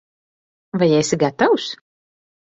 Vai esi gatavs?